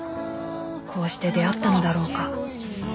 こうして出会ったのだろうか？］